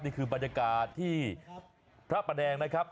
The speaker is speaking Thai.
นี่คือบรรยากาศที่พระประแดงนะครับ